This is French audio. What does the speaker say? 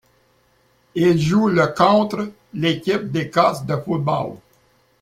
Il joue le contre l'équipe d'Écosse de football.